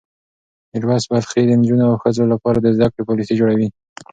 میر ویس بلخي د نجونو او ښځو لپاره د زده کړې پالیسۍ جوړوي.